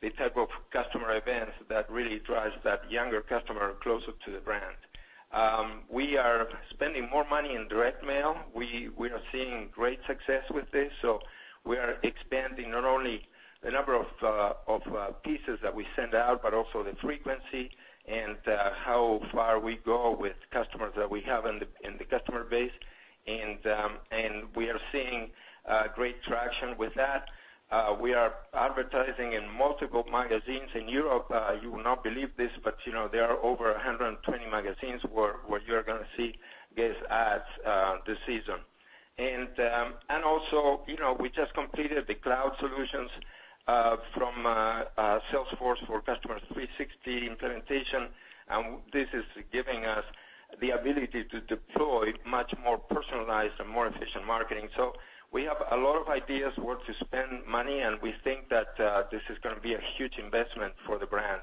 the type of customer events that really drives that younger customer closer to the Guess? brand. We are spending more money in direct mail. We are seeing great success with this, we are expanding not only the number of pieces that we send out, but also the frequency and how far we go with customers that we have in the customer base. We are seeing great traction with that. We are advertising in multiple magazines in Europe. You will not believe this, you know, there are over 120 magazines where you're gonna see Guess? ads this season. Also, you know, we just completed the cloud solutions from Salesforce for Customer 360 implementation, this is giving us the ability to deploy much more personalized and more efficient marketing. We have a lot of ideas where to spend money, we think that this is going to be a huge investment for the brand.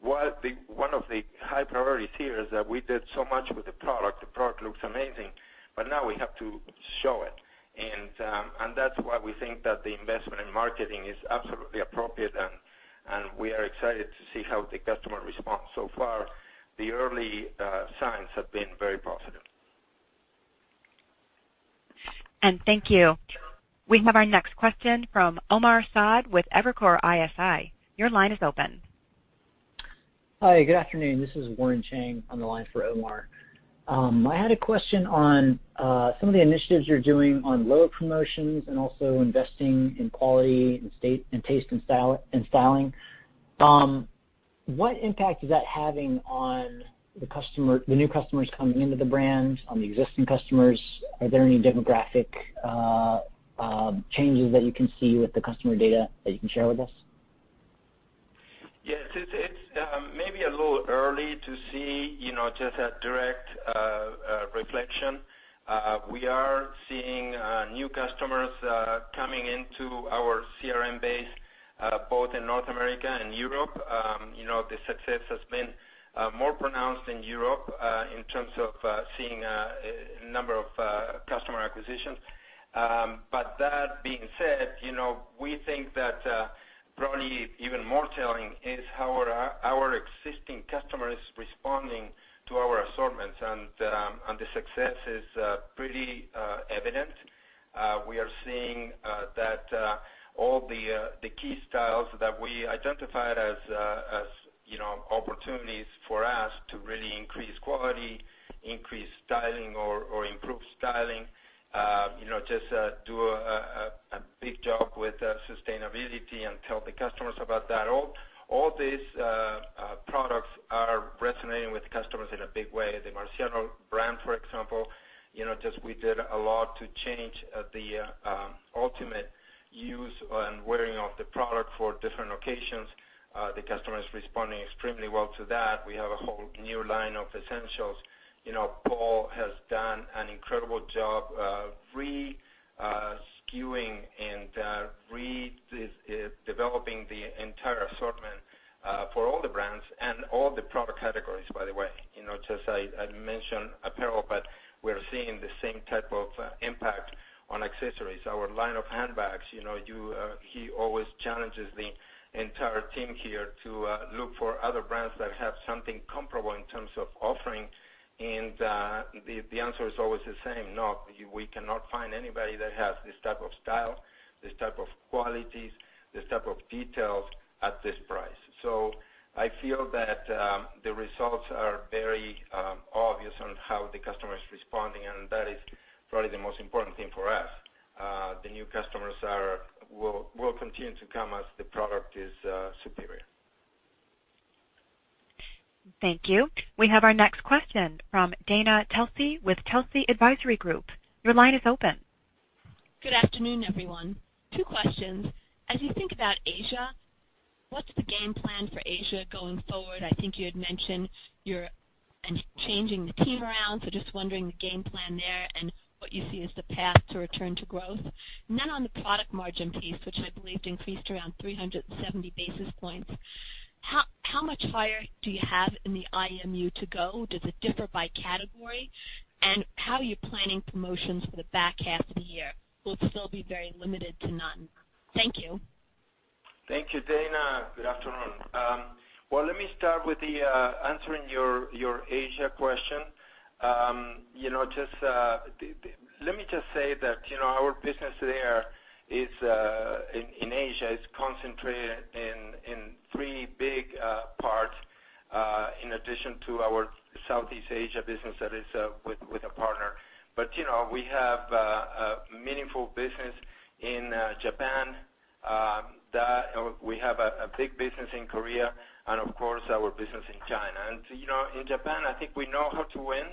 One of the high priorities here is that we did so much with the product. The product looks amazing, now we have to show it. That's why we think that the investment in marketing is absolutely appropriate, we are excited to see how the customer responds. So far, the early signs have been very positive. Thank you. We have our next question from Omar Saad with Evercore ISI. Your line is open. Hi, good afternoon. This is Warren Cheng on the line for Omar. I had a question on some of the initiatives you're doing on lower promotions and also investing in quality and taste and style and styling. What impact is that having on the new customers coming into the brands, on the existing customers? Are there any demographic changes that you can see with the customer data that you can share with us? Yes. It's, maybe a little early to see, you know, just a direct reflection. We are seeing new customers coming into our CRM base both in North America and Europe. You know, the success has been more pronounced in Europe in terms of seeing a number of customer acquisitions. That being said, you know, we think that probably even more telling is how our existing customers responding to our assortments. The success is pretty evident. We are seeing that all the key styles that we identified as opportunities for us to really increase quality, increase styling or improve styling, just do a big job with sustainability and tell the customers about that. All these products are resonating with customers in a big way. The Marciano brand, for example, just we did a lot to change the ultimate use and wearing of the product for different occasions. The customer is responding extremely well to that. We have a whole new line of essentials. Paul has done an incredible job skewing and developing the entire assortment for all the brands and all the product categories, by the way. You know, just I mentioned apparel, but we're seeing the same type of impact on accessories. Our line of handbags, you know, he always challenges the entire team here to look for other brands that have something comparable in terms of offering. The answer is always the same: "No, we cannot find anybody that has this type of style, this type of qualities, this type of details at this price." I feel that the results are very obvious on how the customer is responding, and that is probably the most important thing for us. The new customers will continue to come as the product is superior. Thank you. We have our next question from Dana Telsey with Telsey Advisory Group. Your line is open. Good afternoon, everyone. Two questions. As you think about Asia, what's the game plan for Asia going forward? I think you had mentioned you're changing the team around. Just wondering the game plan there and what you see as the path to return to growth. On the product margin piece, which I believed increased around 370 basis points, how much higher do you have in the IMU to go? Does it differ by category? How are you planning promotions for the back half of the year? Will it still be very limited to none? Thank you. Thank you, Dana. Good afternoon. Well, let me start with the answering your Asia question. You know, just let me just say that, you know, our business there in Asia is concentrated in three big parts, in addition to our Southeast Asia business that is with a partner. You know, we have a meaningful business in Japan. We have a big business in Korea and of course our business in China. You know, in Japan, I think we know how to win.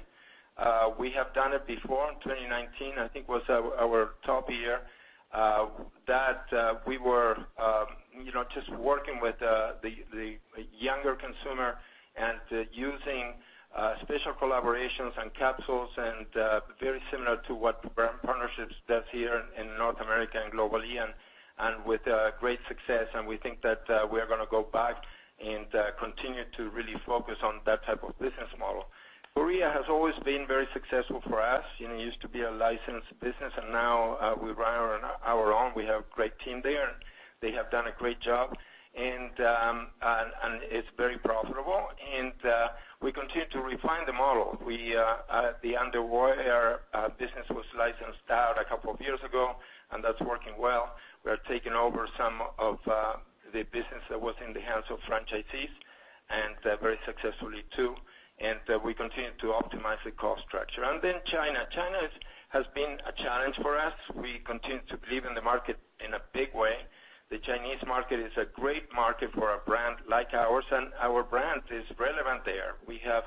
We have done it before. In 2019, I think was our top year. That, we were, you know, just working with the younger consumer. Using special collaborations and capsules, very similar to what brand partnerships does here in North America and globally, and with great success. We think that we are gonna go back and continue to really focus on that type of business model. Korea has always been very successful for us. You know, it used to be a licensed business, and now, we run our own. We have a great team there. They have done a great job. It's very profitable. We continue to refine the model. We, the underwear business was licensed out a couple of years ago, and that's working well. We are taking over some of the business that was in the hands of franchisees, very successfully too. We continue to optimize the cost structure. China has been a challenge for us. We continue to believe in the market in a big way. The Chinese market is a great market for a brand like ours, and our brand is relevant there. We have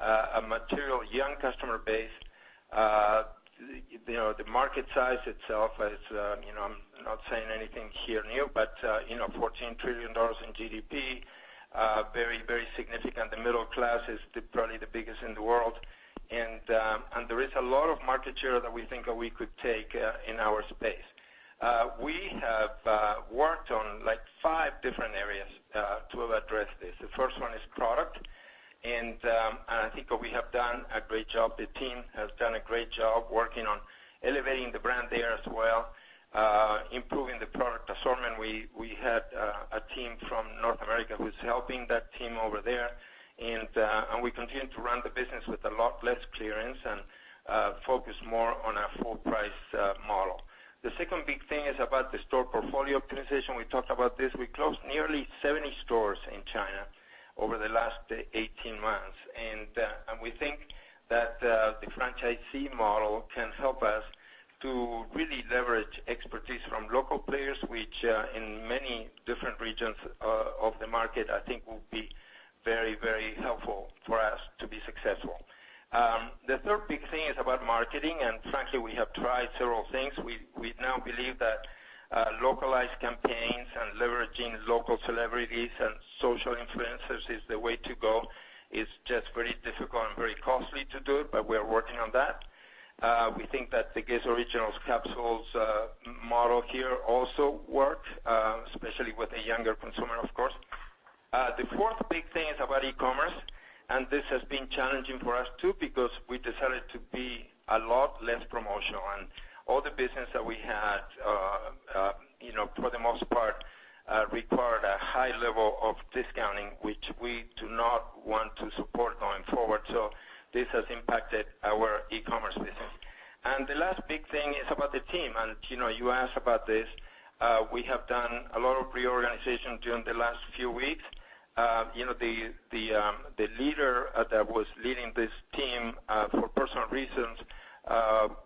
a material young customer base. You know, the market size itself is, you know, I'm not saying anything here new, you know, $14 trillion in GDP, very, very significant. The middle class is probably the biggest in the world. There is a lot of market share that we think that we could take in our space. We have worked on like five different areas to address this. The first one is product. I think that we have done a great job. The team has done a great job working on elevating the brand there as well, improving the product assortment. We had a team from North America who's helping that team over there. We continue to run the business with a lot less clearance and focus more on a full price model. The second big thing is about the store portfolio optimization. We talked about this. We closed nearly 70 stores in China over the last 18 months. We think that the franchisee model can help us to really leverage expertise from local players, which in many different regions of the market, I think will be very, very helpful for us to be successful. The third big thing is about marketing. Frankly, we have tried several things. We now believe that localized campaigns and leveraging local celebrities and social influencers is the way to go. It's just very difficult and very costly to do it, but we are working on that. We think that the GUESS Originals capsules model here also work, especially with a younger consumer, of course. The fourth big thing is about e-commerce, and this has been challenging for us too, because we decided to be a lot less promotional. All the business that we had, you know, for the most part, required a high level of discounting, which we do not want to support going forward. This has impacted our e-commerce business. The last big thing is about the team. You know, you asked about this. We have done a lot of reorganization during the last few weeks. You know, the leader that was leading this team, for personal reasons,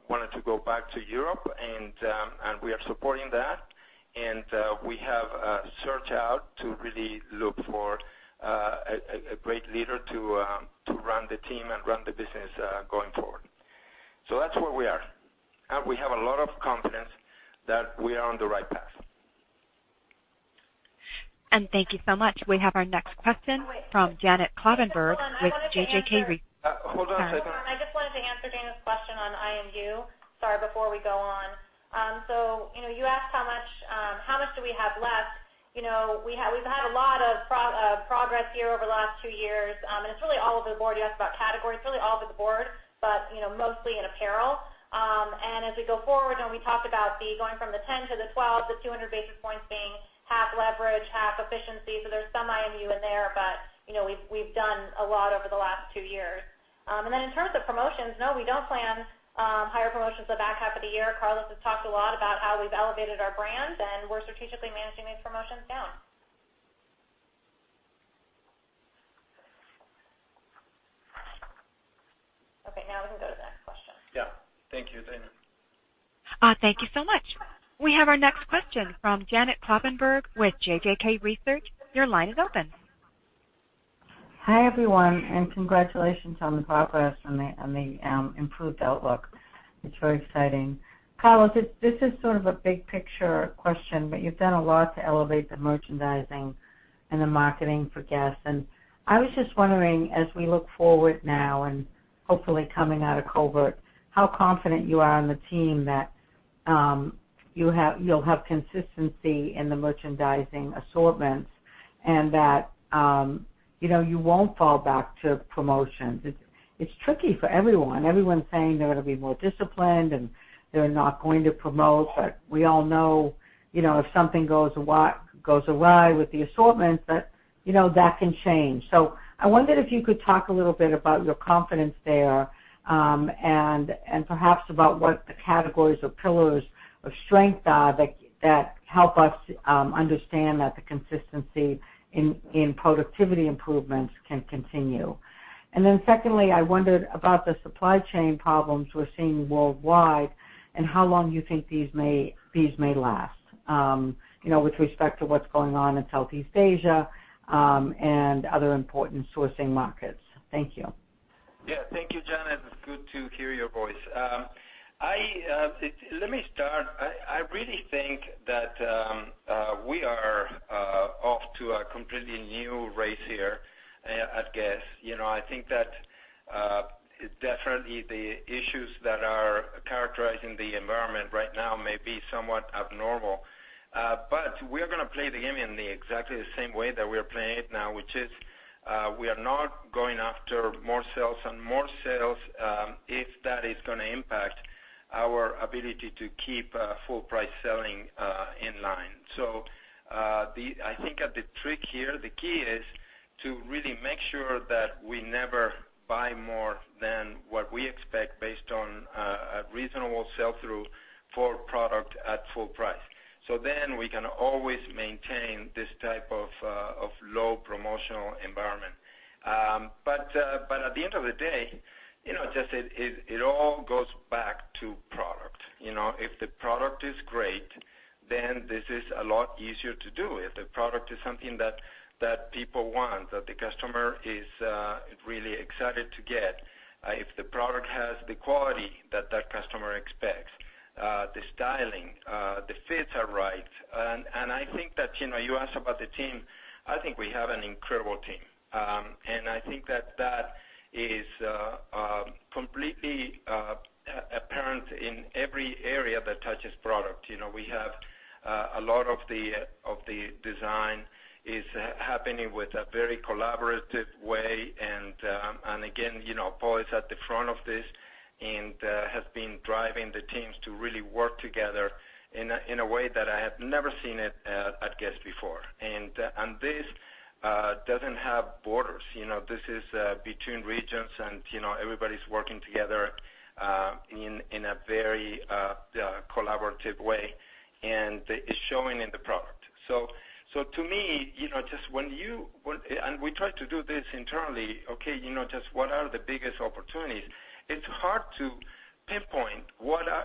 wanted to go back to Europe, and we are supporting that. We have searched out to really look for a great leader to run the team and run the business going forward. That's where we are. We have a lot of confidence that we are on the right path. Thank you so much. We have our next question from Janet Kloppenburg with JJK Research. Hold on a second. Hold on. I just wanted to answer Dana's question on IMU. Sorry, before we go on. you know, you asked how much do we have left. You know, we've had a lot of progress here over the last two years. It's really all over the board. You asked about categories. It's really all over the board, you know, mostly in apparel. As we go forward and we talk about going from the 10% to the 12%, the 200 basis points being half leverage, half efficiency. There's some IMU in there, you know, we've done a lot over the last two years. In terms of promotions, no, we don't plan higher promotions the back half of the year. Carlos has talked a lot about how we've elevated our brand, and we're strategically managing these promotions down. Okay, now we can go to the next question. Yeah. Thank you, Dana. Thank you so much. We have our next question from Janet Kloppenburg with JJK Research. Your line is open. Hi, everyone, and congratulations on the progress on the, on the, improved outlook. It's very exciting. Carlos, this is sort of a big picture question, but you've done a lot to elevate the merchandising and the marketing for Guess?. I was just wondering, as we look forward now and hopefully coming out of COVID, how confident you are in the team that, you'll have consistency in the merchandising assortments and that, you know, you won't fall back to promotions. It's tricky for everyone. Everyone's saying they're gonna be more disciplined, and they're not going to promote. We all know, you know, if something goes awry with the assortments that, you know, that can change. I wondered if you could talk a little bit about your confidence there, and perhaps about what the categories or pillars of strength are that help us understand that the consistency in productivity improvements can continue. Secondly, I wondered about the supply chain problems we're seeing worldwide and how long you think these may last, you know, with respect to what's going on in Southeast Asia, and other important sourcing markets. Thank you. Yeah. Thank you, Janet. It's good to hear your voice. Let me start. I really think that we are off to a completely new race here at Guess?. You know, I think that definitely the issues that are characterizing the environment right now may be somewhat abnormal. We're gonna play the game in the exactly the same way that we are playing it now, which is, we are not going after more sales and more sales if that is gonna impact our ability to keep full price selling in line. I think that the trick here, the key is to really make sure that we never buy more than what we expect based on a reasonable sell-through for product at full price. We can always maintain this type of low promotional environment. At the end of the day, you know, just it, it all goes back to product. You know, if the product is great, then this is a lot easier to do. If the product is something that people want, that the customer is really excited to get, if the product has the quality that that customer expects, the styling, the fits are right. I think that, you know, you asked about the team. I think we have an incredible team. I think that that is completely apparent in every area that touches product. You know, we have a lot of the, of the design is happening with a very collaborative way. Again, you know, Paul is at the front of this and has been driving the teams to really work together in a way that I have never seen it at Guess? before. This doesn't have borders. You know, this is between regions, and, you know, everybody's working together in a very collaborative way, and it's showing in the product. To me, you know, just when we try to do this internally, okay, you know, just what are the biggest opportunities? It's hard to pinpoint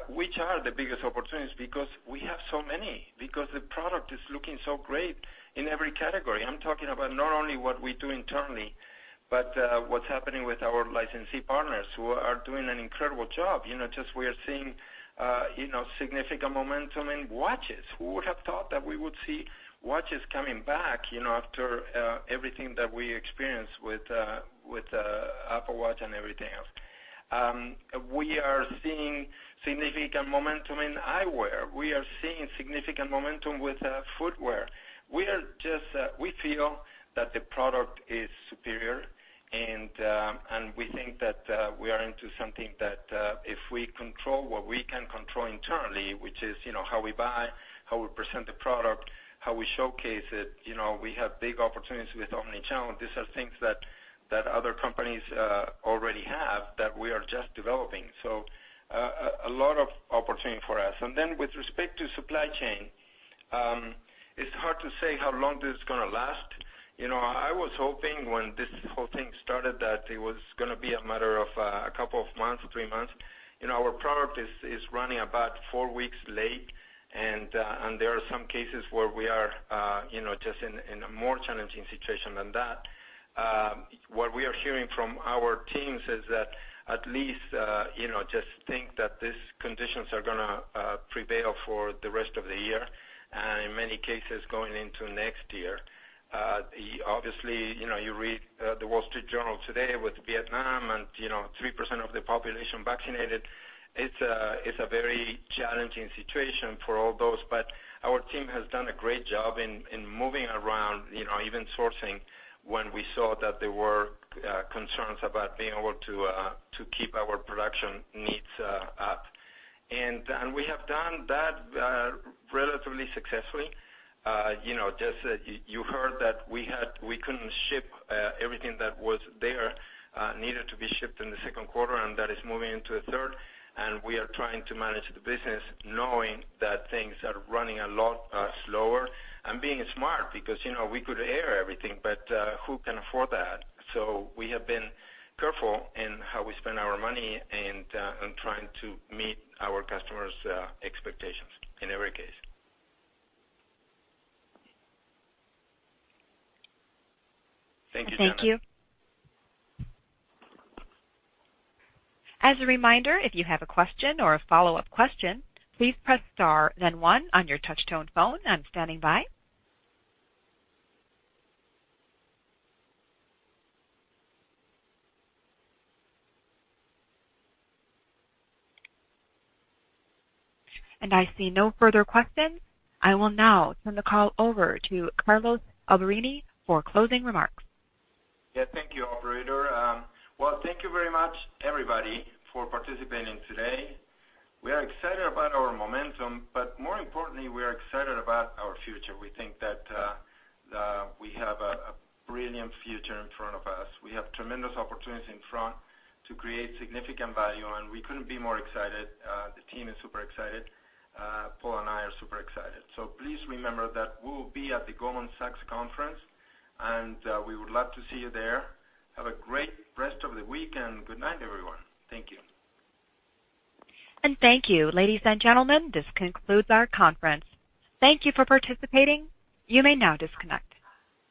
which are the biggest opportunities because we have so many, because the product is looking so great in every category. I'm talking about not only what we do internally, but what's happening with our licensee partners who are doing an incredible job. You know, just we are seeing, you know, significant momentum in watches. Who would have thought that we would see watches coming back, you know, after everything that we experienced with Apple Watch and everything else? We are seeing significant momentum in eyewear. We are seeing significant momentum with footwear. We are just we feel that the product is superior, and we think that we are into something that if we control what we can control internally, which is, you know, how we buy, how we present the product, how we showcase it, you know, we have big opportunities with omnichannel. These are things that other companies already have that we are just developing. A lot of opportunity for us. With respect to supply chain, it's hard to say how long this is gonna last. You know, I was hoping when this whole thing started that it was gonna be a matter of two months or three months. You know, our product is running about four weeks late, and there are some cases where we are, you know, just in a more challenging situation than that. What we are hearing from our teams is that at least, you know, just think that these conditions are gonna prevail for the rest of the year, and in many cases, going into next year. Obviously, you know, you read The Wall Street Journal today with Vietnam and, you know, 3% of the population vaccinated. It's a very challenging situation for all those. Our team has done a great job in moving around, you know, even sourcing when we saw that there were concerns about being able to keep our production needs up. We have done that relatively successfully. You know, just, you heard that we couldn't ship everything that was there needed to be shipped in the second quarter, and that is moving into the third. We are trying to manage the business knowing that things are running a lot slower and being smart because, you know, we could air everything, but who can afford that? We have been careful in how we spend our money and in trying to meet our customers' expectations in every case. Thank you, Janet. Thank you. As a reminder, if you have a question or a follow-up question, please press star then one on your touchtone phone. I'm standing by. I see no further questions. I will now turn the call over to Carlos Alberini for closing remarks. Yeah. Thank you, operator. Well, thank you very much, everybody, for participating today. We are excited about our momentum, but more importantly, we are excited about our future. We think that we have a brilliant future in front of us. We have tremendous opportunities in front to create significant value, and we couldn't be more excited. The team is super excited. Paul and I are super excited. Please remember that we will be at the Goldman Sachs conference, and we would love to see you there. Have a great rest of the week, and good night, everyone. Thank you. Thank you. Ladies and gentlemen, this concludes our conference. Thank you for participating. You may now disconnect.